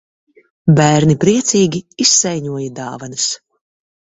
Bērni priecīgi izsaiņoja dāvanas.